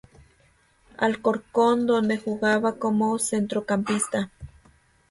Alcorcón donde jugaba como centrocampista.